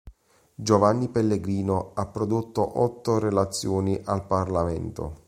Giovanni Pellegrino ha prodotto otto relazioni al Parlamento.